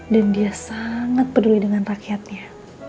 dan dia sangat peduli dengan rakyatnya